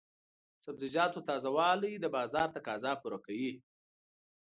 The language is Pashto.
د سبزیجاتو تازه والي د بازار تقاضا پوره کوي.